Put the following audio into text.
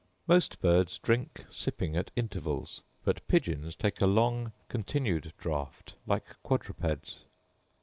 Most birds drink sipping at intervals; but pigeons take a long continued draught, like quadrupeds.